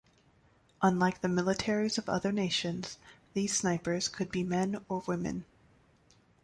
Unlike the militaries of other nations, these snipers could be men or women.